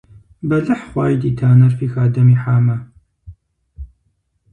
Бэлыхь хъуаи ди танэр фи хадэм ихьамэ!